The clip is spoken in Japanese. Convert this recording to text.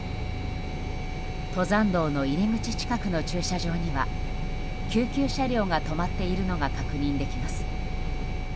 登山道の入り口近くの駐車場には救急車両が止まっているのが確認できます。